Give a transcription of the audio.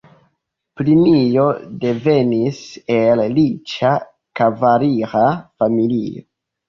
Plinio devenis el riĉa kavalira familio.